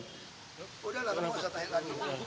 udah lah nggak usah tanya lagi